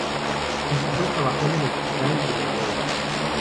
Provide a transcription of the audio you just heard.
En Toulouse trabajó en el hospital de la Grave.